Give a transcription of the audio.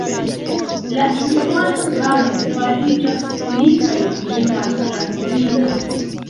La infano tamen fariĝas pli kaj pli maltrankvila.